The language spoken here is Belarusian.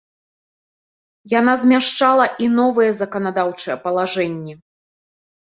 Яна змяшчала і новыя заканадаўчыя палажэнні.